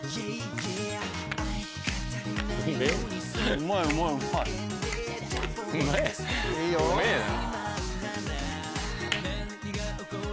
うまいうまいうまい！うめぇな。